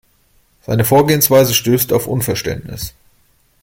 Seine Vorgehensweise stößt auf Unverständnis.